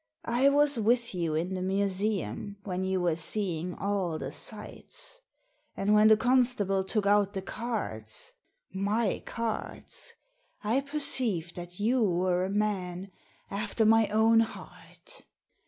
I was with you in the Museum, when you were seeing all the sights. And when the constable took out the cards — my cards! — I per ceived that you were a man after my own heart.